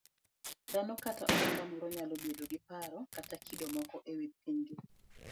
Dhano kata oganda moro nyalo bedo gi paro kata kido moko e wi pinygi.